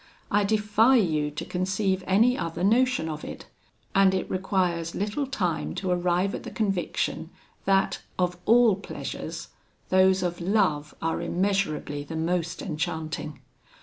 I defy you to conceive any other notion of it; and it requires little time to arrive at the conviction, that, of all pleasures, those of love are immeasurably the most enchanting.